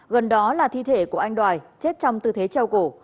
gần đó là thi thể của anh đoài chết trong tư thế treo cổ